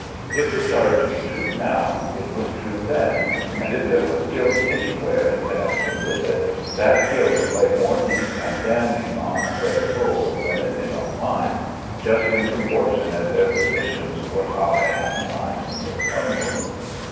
If the charge he true now, it was true then ; and if there was guilt anywhere in connection with it, that guilt lay more deep and damuing on their souls than it did on mine, just in proportion as their positions were high and mine was humble.